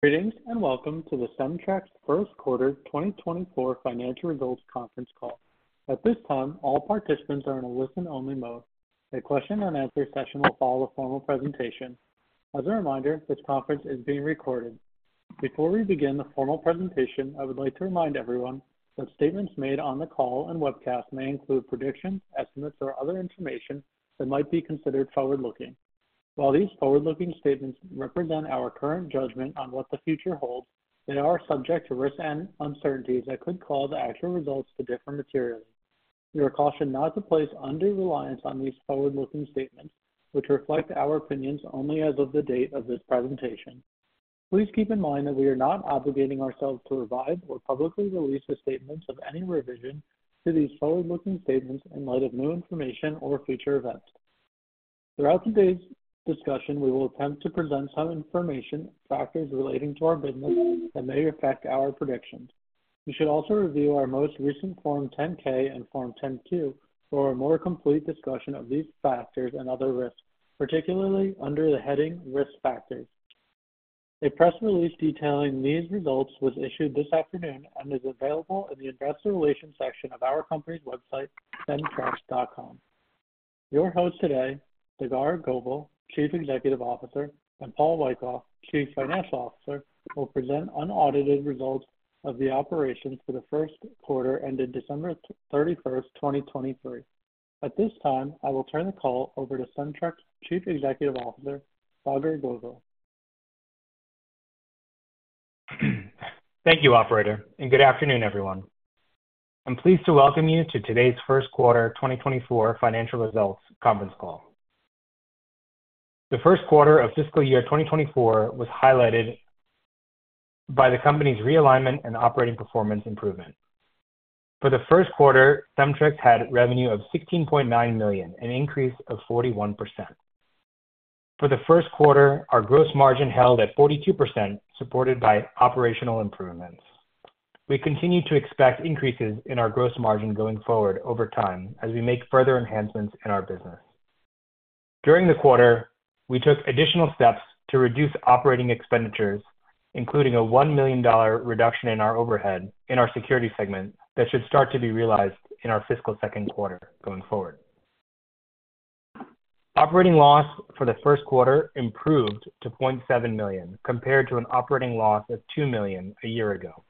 Greetings, and welcome to the Cemtrex first quarter 2024 financial results conference call. At this time, all participants are in a listen-only mode. A question and answer session will follow the formal presentation. As a reminder, this conference is being recorded. Before we begin the formal presentation, I would like to remind everyone that statements made on the call and webcast may include predictions, estimates, or other information that might be considered forward-looking. While these forward-looking statements represent our current judgment on what the future holds, they are subject to risks and uncertainties that could cause the actual results to differ materially. We are cautioned not to place undue reliance on these forward-looking statements, which reflect our opinions only as of the date of this presentation. Please keep in mind that we are not obligating ourselves to revise or publicly release the statements of any revision to these forward-looking statements in light of new information or future events. Throughout today's discussion, we will attempt to present some information, factors relating to our business that may affect our predictions. You should also review our most recent Form 10-K and Form 10-Q for a more complete discussion of these factors and other risks, particularly under the heading Risk Factors. A press release detailing these results was issued this afternoon and is available in the Investor Relations section of our company's website, cemtrex.com. Your host today, Sagar Govil, Chief Executive Officer, and Paul Wyckoff, Chief Financial Officer, will present unaudited results of the operations for the first quarter ended December 31, 2023. At this time, I will turn the call over to Cemtrex Chief Executive Officer, Sagar Govil. Thank you, operator, and good afternoon, everyone. I'm pleased to welcome you to today's first quarter 2024 financial results conference call. The first quarter of fiscal year 2024 was highlighted by the company's realignment and operating performance improvement. For the first quarter, Cemtrex had revenue of $16.9 million, an increase of 41%. For the first quarter, our gross margin held at 42%, supported by operational improvements. We continue to expect increases in our gross margin going forward over time as we make further enhancements in our business. During the quarter, we took additional steps to reduce operating expenditures, including a $1 million reduction in our overhead in our security segment that should start to be realized in our fiscal second quarter going forward. Operating loss for the first quarter improved to $0.7 million, compared to an operating loss of $2 million a year ago.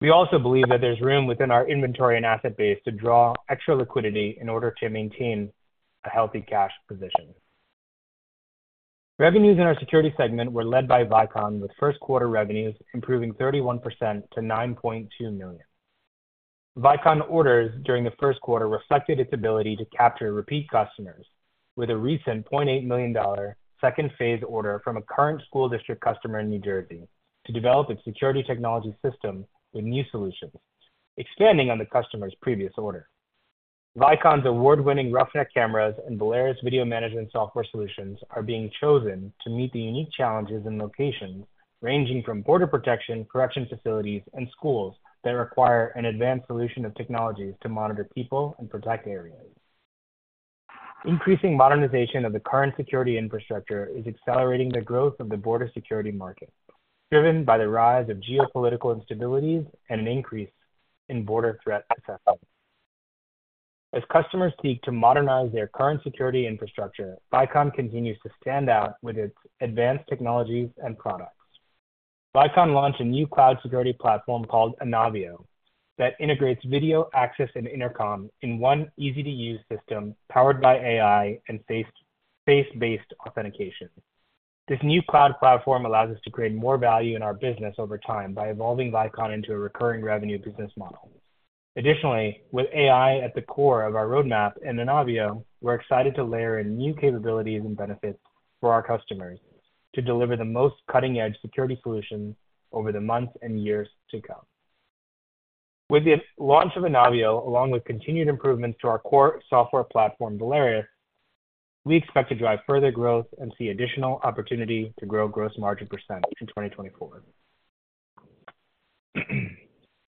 We also believe that there's room within our inventory and asset base to draw extra liquidity in order to maintain a healthy cash position. Revenues in our security segment were led by Vicon, with first quarter revenues improving 31% to $9.2 million. Vicon orders during the first quarter reflected its ability to capture repeat customers with a recent $0.8 million second phase order from a current school district customer in New Jersey to develop its security technology system with new solutions, expanding on the customer's previous order. Vicon's award-winning Roughneck cameras and Valerus video management software solutions are being chosen to meet the unique challenges and locations, ranging from border protection, correction facilities, and schools that require an advanced solution of technologies to monitor people and protect areas. Increasing modernization of the current security infrastructure is accelerating the growth of the border security market, driven by the rise of geopolitical instabilities and an increase in border threat assessments. As customers seek to modernize their current security infrastructure, Vicon continues to stand out with its advanced technologies and products. Vicon launched a new cloud security platform called Anavio that integrates video access and intercom in one easy-to-use system powered by AI and face-based authentication. This new cloud platform allows us to create more value in our business over time by evolving Vicon into a recurring revenue business model. Additionally, with AI at the core of our roadmap in Anavio, we're excited to layer in new capabilities and benefits for our customers to deliver the most cutting-edge security solutions over the months and years to come. With the launch of Anavio, along with continued improvements to our core software platform, Valerus, we expect to drive further growth and see additional opportunity to grow gross margin % in 2024.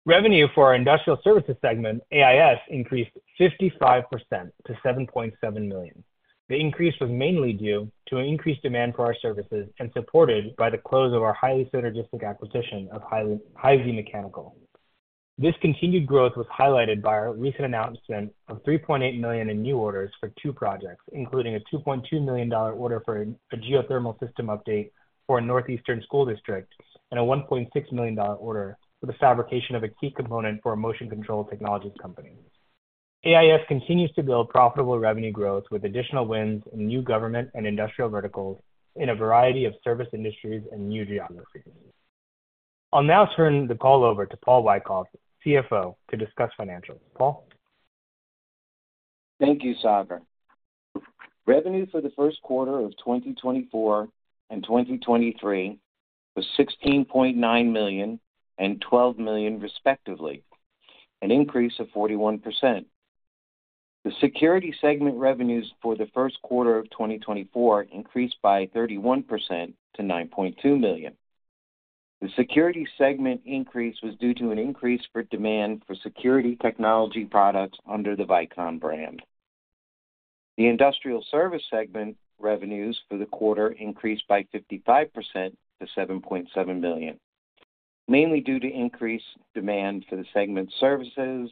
Revenue for our industrial services segment, AIS, increased 55% to $7.7 million. The increase was mainly due to an increased demand for our services and supported by the close of our highly synergistic acquisition of Heise. This continued growth was highlighted by our recent announcement of $3.8 million in new orders for two projects, including a $2.2 million order for a geothermal system update for a northeastern school district, and a $1.6 million order for the fabrication of a key component for a motion control technologies company. AIS continues to build profitable revenue growth with additional wins in new government and industrial verticals in a variety of service industries and new geographies. I'll now turn the call over to Paul Wyckoff, CFO, to discuss financials. Paul? Thank you, Saagar. Revenue for the first quarter of 2024 and 2023 was $16.9 million and $12 million, respectively, an increase of 41%. The security segment revenues for the first quarter of 2024 increased by 31% to $9.2 million. The security segment increase was due to an increase for demand for security technology products under the Vicon brand.... The industrial service segment revenues for the quarter increased by 55% to $7.7 million, mainly due to increased demand for the segment services,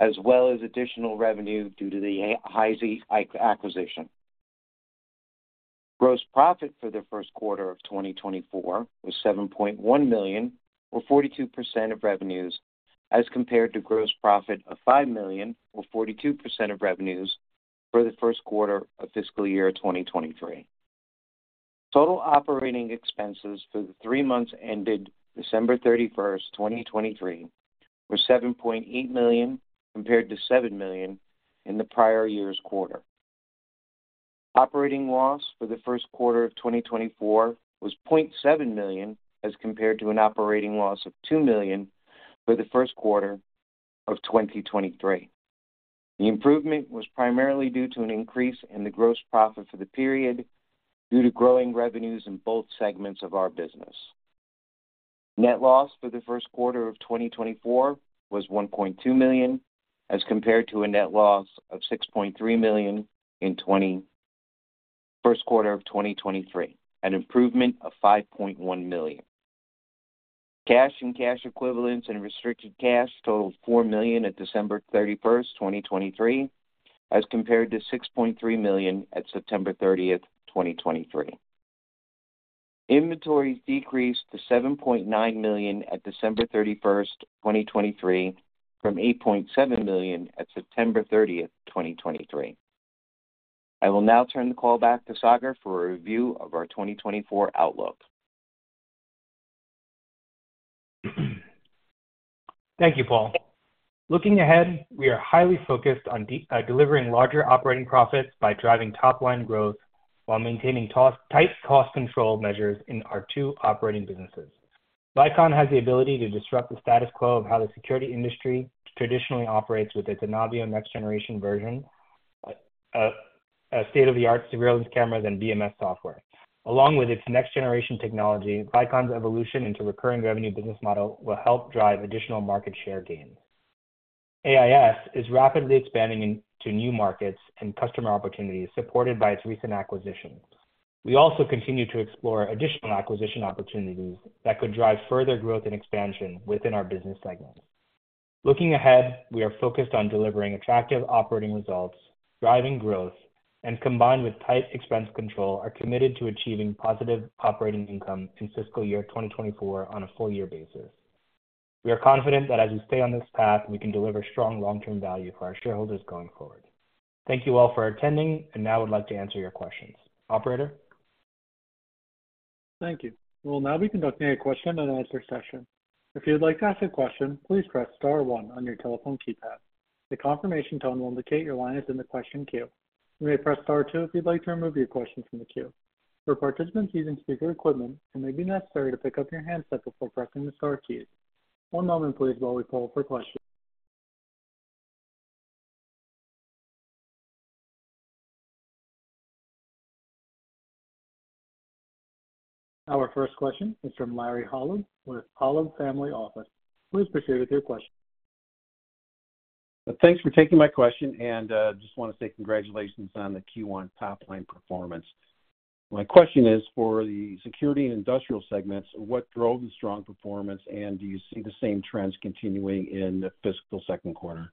as well as additional revenue due to the Heise acquisition. Gross profit for the first quarter of 2024 was $7.1 million, or 42% of revenues, as compared to gross profit of $5 million, or 42% of revenues, for the first quarter of fiscal year 2023. Total operating expenses for the three months ended December 31, 2023, were $7.8 million, compared to $7 million in the prior year's quarter. Operating loss for the first quarter of 2024 was $0.7 million, as compared to an operating loss of $2 million for the first quarter of 2023. The improvement was primarily due to an increase in the gross profit for the period, due to growing revenues in both segments of our business. Net loss for the first quarter of 2024 was $1.2 million, as compared to a net loss of $6.3 million in the first quarter of 2023, an improvement of $5.1 million. Cash and cash equivalents and restricted cash totaled $4 million at December 31, 2023, as compared to $6.3 million at September 30, 2023. Inventories decreased to $7.9 million at December 31, 2023, from $8.7 million at September 30, 2023. I will now turn the call back to Sagar for a review of our 2024 outlook. Thank you, Paul. Looking ahead, we are highly focused on delivering larger operating profits by driving top-line growth while maintaining tight cost control measures in our two operating businesses. Vicon has the ability to disrupt the status quo of how the security industry traditionally operates with its Anavio next-generation version, state-of-the-art surveillance cameras and VMS software. Along with its next-generation technology, Vicon's evolution into recurring-revenue business model will help drive additional market share gains. AIS is rapidly expanding into new markets and customer opportunities supported by its recent acquisition. We also continue to explore additional acquisition opportunities that could drive further growth and expansion within our business segments. Looking ahead, we are focused on delivering attractive operating results, driving growth, and combined with tight expense control, are committed to achieving positive operating income in fiscal year 2024 on a full year basis. We are confident that as we stay on this path, we can deliver strong long-term value for our shareholders going forward. Thank you all for attending, and now I'd like to answer your questions. Operator? Thank you. We'll now be conducting a question and answer session. If you'd like to ask a question, please press star one on your telephone keypad. The confirmation tone will indicate your line is in the question queue. You may press star two if you'd like to remove your question from the queue. For participants using speaker equipment, it may be necessary to pick up your handset before pressing the star keys. One moment please while we poll for questions. Our first question is from Larry Holland with Holland Family Office. Please proceed with your question. Thanks for taking my question, and just want to say congratulations on the Q1 top-line performance. My question is, for the security and industrial segments, what drove the strong performance, and do you see the same trends continuing in the fiscal second quarter?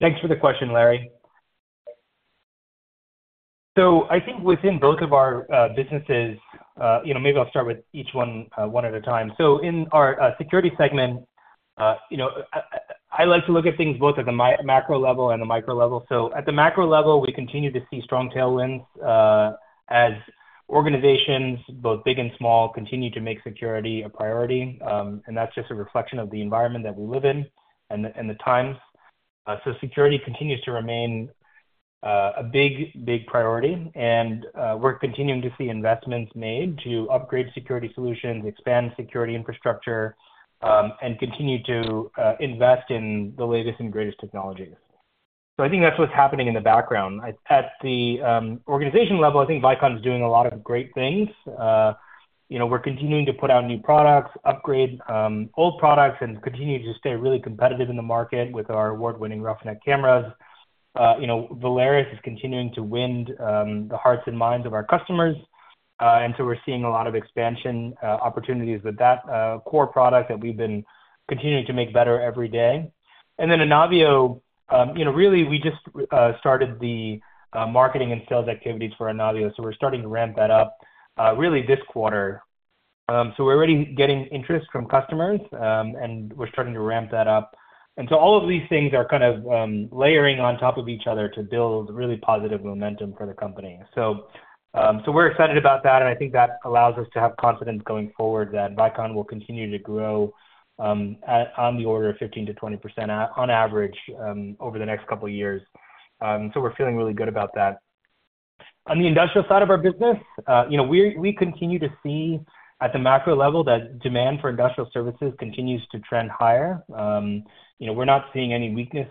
Thanks for the question, Larry. So I think within both of our businesses, you know, maybe I'll start with each one, one at a time. So in our security segment, you know, I like to look at things both at the macro level and the micro level. So at the macro level, we continue to see strong tailwinds, as organizations, both big and small, continue to make security a priority. And that's just a reflection of the environment that we live in and the times. So security continues to remain a big, big priority, and we're continuing to see investments made to upgrade security solutions, expand security infrastructure, and continue to invest in the latest and greatest technologies. So I think that's what's happening in the background. At the organization level, I think Vicon is doing a lot of great things. You know, we're continuing to put out new products, upgrade old products, and continue to stay really competitive in the market with our award-winning Roughneck cameras. You know, Valerus is continuing to win the hearts and minds of our customers, and so we're seeing a lot of expansion opportunities with that core product that we've been continuing to make better every day. And then Anavio, you know, really we just started the marketing and sales activities for Anavio, so we're starting to ramp that up really this quarter. So we're already getting interest from customers, and we're starting to ramp that up. And so all of these things are kind of layering on top of each other to build really positive momentum for the company. So, so we're excited about that, and I think that allows us to have confidence going forward that Vicon will continue to grow at, on the order of 15%-20% on average over the next couple of years. So we're feeling really good about that. On the industrial side of our business, you know, we continue to see at the macro level that demand for industrial services continues to trend higher. You know, we're not seeing any weakness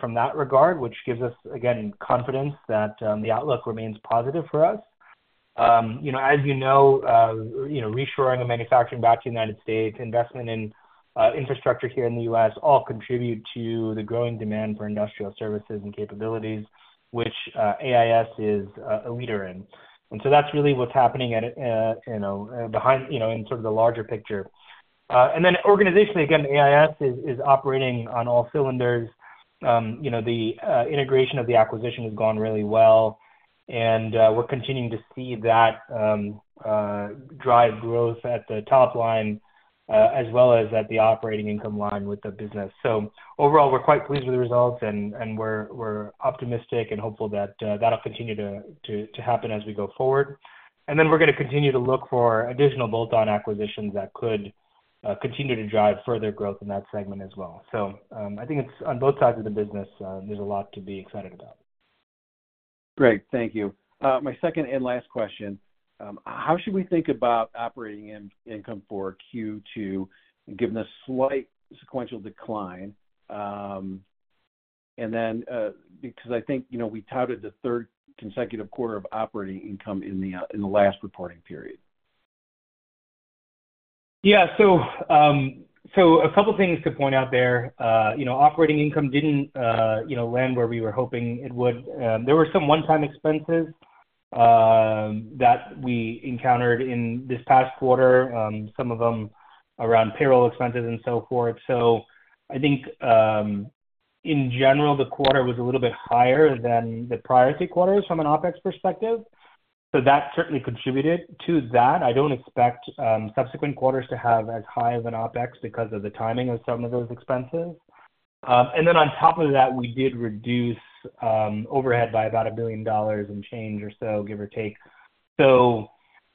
from that regard, which gives us, again, confidence that the outlook remains positive for us. You know, as you know, you know, reshoring of manufacturing back to United States, investment in, infrastructure here in the U.S. all contribute to the growing demand for industrial services and capabilities, which, AIS is, a leader in. And so that's really what's happening at, you know, behind, you know, in sort of the larger picture. And then organizationally, again, AIS is, is operating on all cylinders. You know, the, integration of the acquisition has gone really well, and, we're continuing to see that, drive growth at the top line, as well as at the operating income line with the business. So overall, we're quite pleased with the results, and, and we're, we're optimistic and hopeful that, that'll continue to, to, to happen as we go forward. And then we're gonna continue to look for additional bolt-on acquisitions that could continue to drive further growth in that segment as well. So, I think it's on both sides of the business, there's a lot to be excited about. Great. Thank you. My second and last question, how should we think about operating income for Q2, given the slight sequential decline? And then, because I think, you know, we touted the third consecutive quarter of operating income in the last reporting period. Yeah. So, a couple of things to point out there. You know, operating income didn't, you know, land where we were hoping it would. There were some one-time expenses that we encountered in this past quarter, some of them around payroll expenses and so forth. So I think, in general, the quarter was a little bit higher than the prior three quarters from an OpEx perspective, so that certainly contributed to that. I don't expect subsequent quarters to have as high of an OpEx because of the timing of some of those expenses. And then on top of that, we did reduce overhead by about $1 billion and change or so, give or take. So,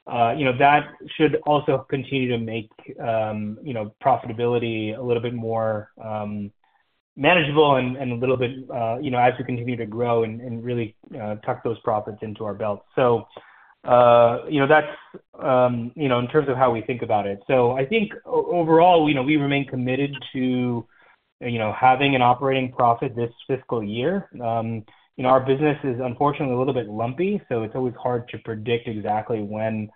you know, that should also continue to make, you know, profitability a little bit more, manageable and a little bit, you know, as we continue to grow and really, tuck those profits into our belt. So, you know, that's, you know, in terms of how we think about it. So I think overall, you know, we remain committed to, you know, having an operating profit this fiscal year. You know, our business is unfortunately a little bit lumpy, so it's always hard to predict exactly when,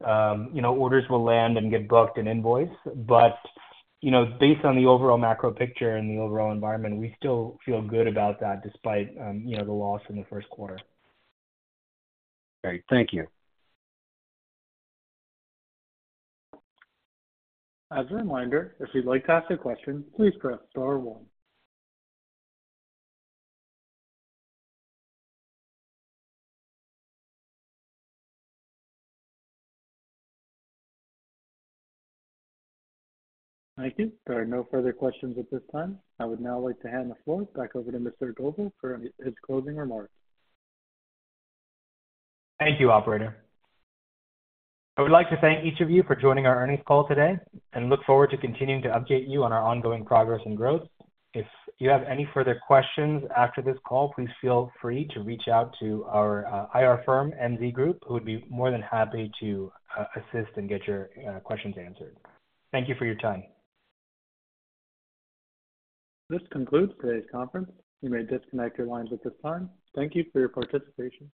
you know, orders will land and get booked and invoiced. But, you know, based on the overall macro picture and the overall environment, we still feel good about that, despite, you know, the loss in the first quarter. Great. Thank you. As a reminder, if you'd like to ask a question, please press star one. Thank you. There are no further questions at this time. I would now like to hand the floor back over to Mr. Saagar Govil for his closing remarks. Thank you, operator. I would like to thank each of you for joining our earnings call today, and look forward to continuing to update you on our ongoing progress and growth. If you have any further questions after this call, please feel free to reach out to our, IR firm, MZ Group, who would be more than happy to, assist and get your, questions answered. Thank you for your time. This concludes today's conference. You may disconnect your lines at this time. Thank you for your participation.